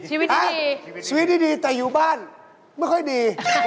ชีวิตดีแต่อยู่บ้านไม่ค่อยดี